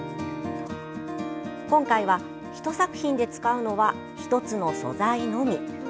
今回は、１作品で使うのは１つの素材のみ。